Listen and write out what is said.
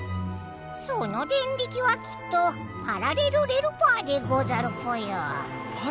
そのデンリキはきっとパラレルレルパーでござるぽよ。